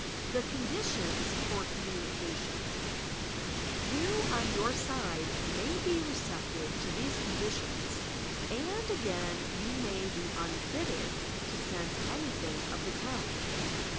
THE CONDITIONS FOR COMM0NICATION You, on your side, may be receptive to these condi tions, and again you may be unfitted to sense anyibing of the tund.